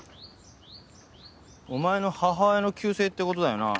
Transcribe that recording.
お前の母親の旧姓って事だよな